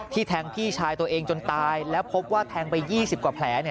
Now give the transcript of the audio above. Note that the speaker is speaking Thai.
แทงพี่ชายตัวเองจนตายแล้วพบว่าแทงไป๒๐กว่าแผล